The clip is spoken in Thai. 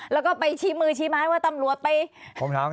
แล้วก็ไปชี้มือชี้ไม้ว่าตำรวจไปเลี้ยงรถ